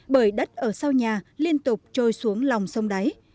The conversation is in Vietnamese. bởi đất ở sau nhà liên tục trôi xuống lòng sông đáy